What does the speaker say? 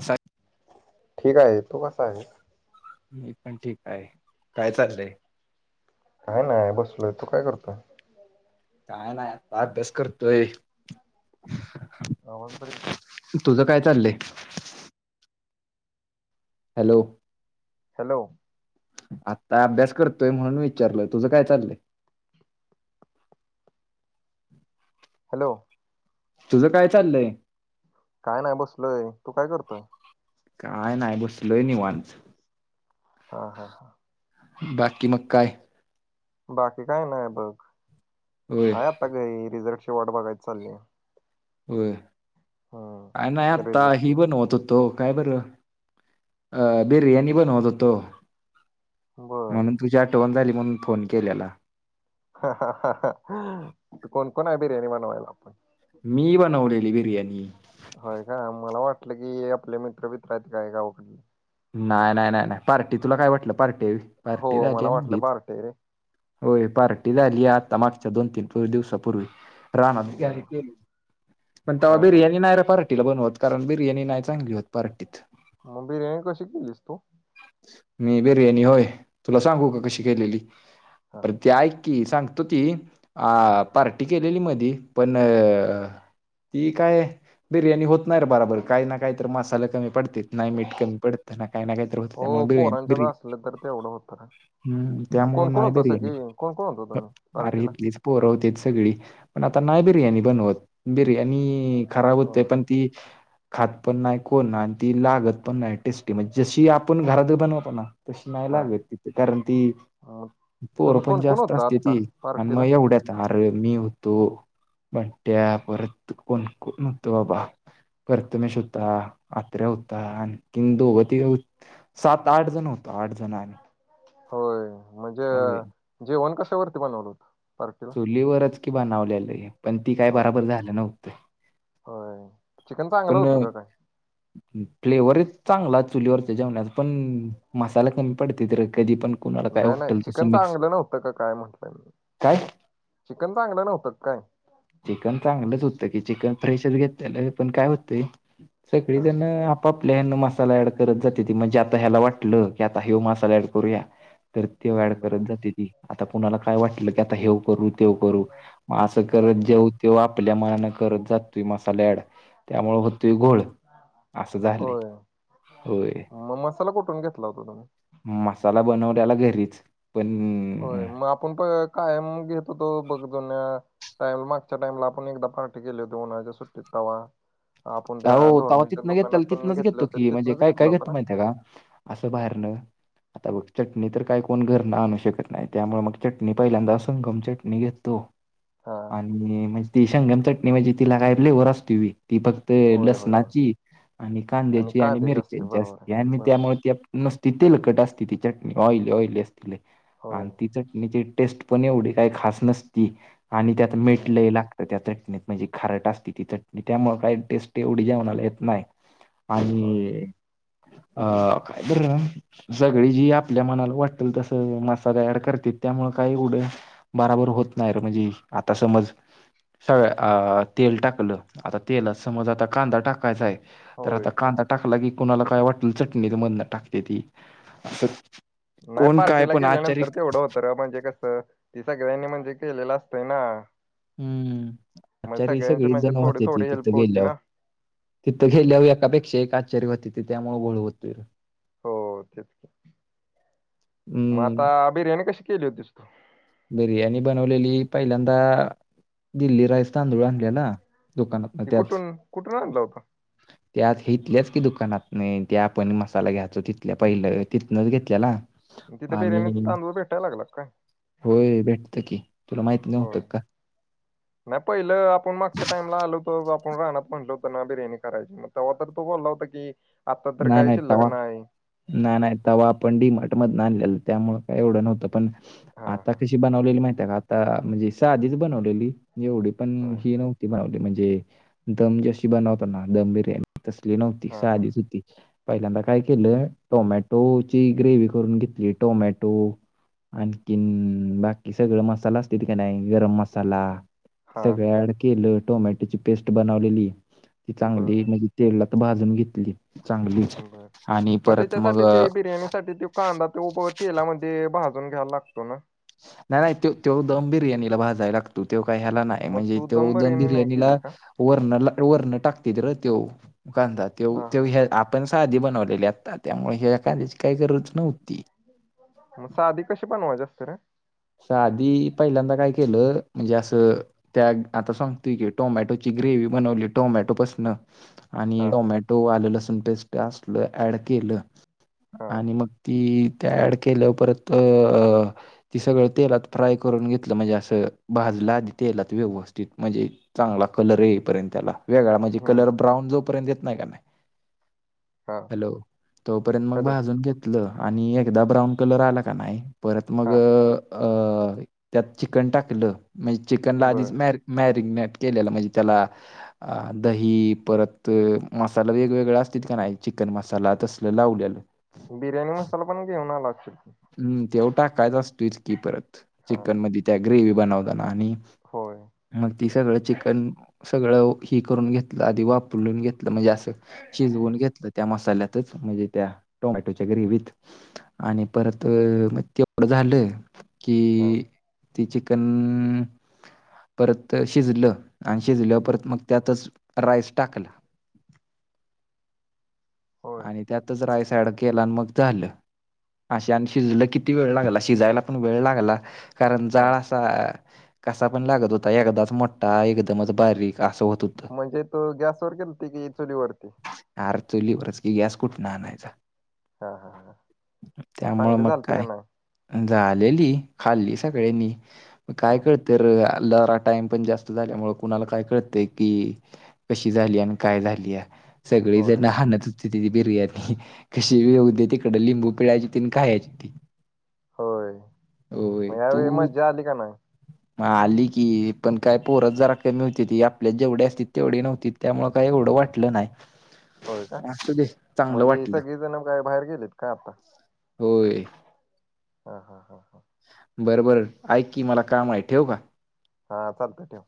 असं ठीक आहे, तू कसा आहेस? मी पण ठीक हाय, काय चालयं? काय नाही बसलोय, तू काय करतो? काय नाय, अभ्यास करतोय. अवन तरी. तुझ काय चालयं? हॅलो! हॅलो! आता अभ्यास करतोय म्हणू विचारलं, तुझं काय चालय? हॅलो! तुझं काय चालयं? काय नाय बसलोय, तू काय करतोय? काय नाय बसलोय निवांत. अं हा हा. बाकी मंग काय? बाकी काय नाय बघ, होय हाय आता घरी रिझल्ट ची वाट बघायचं चाललंय. होय, काय नाय आता रिझल्ट ही बनवत होत तो, काय बरं? अ बिर्याणी बनवत होतो. बर आणि तुझी आठवण झाली म्हणून फोन केल्याला. अ हं हं हं हां, तिथं कोण-कोण हाय बिर्याणी बनवायला? मी बनवलेली बीरयानी. होय का मला वाटलं की हे आपले मित्र-मित्र आहेत काय गावाकडली. नाय नाय नाय नाय, पार्टी तुला काय वाटलं पार्टीआय. हो मला वाटलं पार्टी हाय रे. होय पार्टी झाली आता मागच्या दोन-तीन दिवसापूर्वी. रानात केली बर केली, पण तेव्हा हा हा बिर्याणी नाय र पण तिला बनवत कारण बिर्याणी नाय चांगली होत पार्टीत. मंग बिर्याणी कशी केलीस तु? मी बिर्याणी होय, तुला सांगू का हं, कशी केलेली? हा परत ते ऐक की सांगतो की आ, पार्टी केलेली मधी पण अ ती काय बिर्याणी होत नाय र बराबर काय ना काय तर मी मासाल कमी पडत्यात नाय मीठ कमी. पडत काय ना काय हो पोरांच्यात आसलं तर तेवढं होत ना. हम्म त्यामुळें नाय बिर्याणी, कोण होता क तुम्ही आरे पार्टीला इथलीच पोरं होत्यात सगळी, पण आता नाय बिर्याणी बनवत, बिर्याणी खराब हुत्या होय पण ती खात पण नाय कोण आन् ती लागत पण नाय. टेस्टी म्हणजे जशी आपण घरात बनवतो ना तशी नाय हा लागत तिथं, कारण ती मग पोर तुम्ही पण कोण कोण जास्त होता आत्ता असत्याती आणि मग पार्टीला एवढ्यात आरे मी होतो. बंट्या परत कोण-कोण हुत अबा प्रथमेश होता. अत्र्या हुता आणखीन दोघ तीघ हुत सात-आठ जण होतं आठ जण आम्ही. होय म्हणज होय अ.. जेवण कशावरती बनवलं हुतं चुलीवरच की बनवलेलं पण ती काय होय बराबर झालं नव्हतं होय चिकन चांगलं हुतं पण का काय फ्लेवर एक चांगलाय चुलीवरच ते जेवणाच पण मसाल कमी पडत्याती रं कधी पण त्य नाय नाय चिकन चांगलं नव्हतं का काय म्हटलं.. काय चिकन चांगलं नव्हतं काय चिकन चांगलंच हुत की चिकन फ्रेशच घेतल्याल पण काय होतंय हा सगळीजण आप पापल्यान मसालं ॲड करत जात्याती म्हणजे आता ह्याला वाटलं की आता ह्यो मासाला ॲड करूया तर त्यो ऍड बर करत जात्याती आता कुणाला काय वाटलं की आता ह्यो करू त्यो करू म असं हा करत हा ज्यो त्यो आपल्या मना करत जातूय मसाला ऍड त्यामुळं हुतय गोड असं झालंय होय होय मग मसाला कुठून घेतला हुता तुम्ही मसाला बनवलेला घरीच पण होय म आपण प कायमग घेतो तो [unintelligible] टाइम मागच्या टाइमला आपण एकदा पार्टी केली हुती ब उन्हाळ्याच्या सुट्टीत तवा आपण त्या हो तवा ढोरणीच्या तिथनं घेतल्याल दुकानातून तिथनंच घेतले घेतो होते की म्हणजे तिथनच काय घेतला काय होता घेतं ना माहितीय का असं बाहेरनं आता बघ चटणी तर काय कोण घरनं आणू शकत नाय त्यामुळं मंग चटणी पहिल्यांदा संगम चटणी घेतो [inaudible] हा आणि म्हणजे ती संगम चटणी म्हणजे तिला काय फ्लेवर असतुय व्य ती [unintelligible] ते होय होय होय लसणाची आणि कांद्याची आणि कांद्याचे मिरच्याची बरोबर आहे असते आणि मी बरोबर त्यामुळं आहे. ते नसती तेलकट असती ती चटणी ऑइली ऑइली असते लय होय अन ती चटणीची टेस्ट पण एवढी काय खास नसती आणि त्यात मीठ हम्म लय लाग तर त्या चटणीत म्हणजे खारट असती ती चटणी त्यामुळं काय टेस्ट एवढी जेवणाला येत नाय होय आणि अ काय बरं सगळी जी आपल्या मनाला वाटल तसं मसाला अॅड करतयाय त्यामुळ काय उघ बराबर होत नाय रं म्हणजे आता समज सगळं अ.. तेल टाकलं आता तेलात समज आता कांदा टाकायचाय तर होय आता कांदा टाकला की कुणाला काय वाटल चटणी मध टाकते ती अस लय पार्टीला गेल्यानंतर तेवढं होत तर आपण जे कस ते सगळ्यांनी म्हणजे केलेलं असतंय ना हम्म मग आचारी सगळ्यांची सगळीच म्हणजे जण थोडी होत्याती थोडी तिथं हेल्प होती गेल्याव ना तिथं गेल्याव एकापेक्षा एक आचारी होत्यात त्यामुळं घोळ हुतूय हो तेच की म हम्म आता बिर्याणी कशी केली होतीस तू बिर्याणी बनवलेली पहिल्यांदा दिल्ली राईस तांदूळ आणलेला दुकानातनं ती त्याच कुठून कुठून आणला होता त्याच इथल्याच की दुकानातनं त्या आपण मसाला घ्यायचो तिथल्या पहिल्या तिथनचं घेतल्याला तिथं बिर्याणीच तांदूळ भेटाय लागलं काय होय भेटतं की तुला माहिती नव्हतं का नाय पहिलं आपण मागच्या टाइमला आलो होतो आपण रानात म्हणलं हुतं ना बिर्याणी करायची म तवा तर तो बोला हूता की आता तर नाय काही नाय शिल्लक तवा नाही नाय नाय तवा आपण डी मार्ट मध्नं आणल्यालं त्यामुळं काय एवढं नव्हतं पण हा आता हा कशी बनवलेली माहितय का आता म्हणजे साधीच बनवलेली एवढी पण होय ही नव् बनवली म्हणजे, दम जी अशी बनवतो ना, दम बिर्याणी तसली नव्हती, हा हा साधीच हुती. पहिल्यांदा काय केलं, टोमॅटोची ग्रेव्ही करून घेतली, टोमॅटो आणखीन, बाकी सगळं मसाला असत्याती की नई गरम मसाला हा सगळ ऍड केलं, टोमॅटोची पेस्ट बनवलेली, ती बर चांगली तेलात भाजून घेतली. चांगली बर, आणि मग परत त्याच्यासाठी अ, ते बिर्याणीसाठी ते कांदा तो तेलामध्ये भाजून घ्यायला लागतो ना. नाही नाही तो दम बिर्याणीला भाजाय लागतो, तो ककाय हेला नाही, मग म्हणजे तू तो दम बिर्याणी नाही बिर्याणीला केली का वर्ण, वर्ण टाकतात रं त्यो, कांदा त्यो हा यो हा हा. पण साधी बनवलेली आत्ता, त्यामुळ ह्या कांद्याची काही गरज नव्हती. म साधी कशी बनवायची असत्या रं? साधी, पहिल्यांदा काय केलं, म्हणजे असं त्या आता सांगतुय की, टोमॅटोची ग्रेव्ही बनवली टोमॅटोपसनं आणि हा टोमॅटो, आलं लसूण पेस्ट, असलं ऍड केलं, हा आणि मग ती ते ऍड केलं परत अ ती सगळं तेलात फ्राय करून घेतलं, म्हणजे असं भाजलं आधी तेलात व्यवस्थित, म्हणजे चांगला कलर येईपर्यंत त्याला, वेगळा म्हणजे हम्म कलर ब्राउन जोपर्यंत येत नाही का नाय हा हॅलो, तोपर्यंत मग हॅलो भाजून घेत एकदा ब्राऊन कलर आला का नाय, परत मग हा त्यात चिकन टाकलं, म्हणजे चिकनला बर आधीच म मॅरिग्नेट केलेल, म्हणजे त्याला अ दही, परत मसाला वेगवेगळ असत का नाय, चिकन मसाला तसल लावलेलं. बिर्याणी मसाला पण घेऊन आला अशील? हम्, तो टाकायचा असतोयच की परत, हा चिकन मधी त्या, ग्रेव्ही बनवताना आणि होय. मग ती सगळं चिकन, सगळं ही करून घेतलं, आधी वापलून घेत म्हणजे असं, शिजवून घेतलं. त्या मसाल्यातच, म्हणजे त्या टोमॅटोच्या ग्रेवीत, आणि परत, मग तेवढं झालं हा की ती चिकन, परत शिजलं आणि शिजल्यावर हा, परत मग त्यातच, राईस टाकला. होय आणि त्यातच रायस ऍड केला, आणि मग झालं. अश्या आणि शिजल किती वेळ लागला, शिजायला पण वेळ लागला, कारण हा जाळ कसा पण लागत होता, एकदाच मोठा, एकदमच बारीक, असं होत हो म्हणजे तो गॅसवर केलत, कि चोलीवरती? अर्, चोलीवरच की, गॅस कुठन आणायचा. हा. हा. हा. त्याममुळ चांगली मग झालती का काय, नाही? झालेली, खाल्ली सगळ्यांनी, मग हा काय करत तर लहरा टाइम पण जास्त झाल्यामुळे, कुणाला काय कळतय की कशी झाल्या? आणि काय झाल्या? होय सगळीजण होय हणत होते ती बिर्याणी, कशी बी होऊदे तिकड, लिंबू पिळ तीन खायची होती. होय, मग यावेळी मज्जा आली का नाय? म आली की, पण काय पोरत जरा कमी होतीत, ती आपल्यात जजेवढी असत्यात तेवढी नव्हती. त्यामुळे काय एवढं वाटलं नाय. होय का म्हणजे सगळे जण मग काय बाहेर गेलेत का आता? होय हा हा हा हा बरबर ऐ की मला काम आहे ठेव का? हा चालतंय चालतंय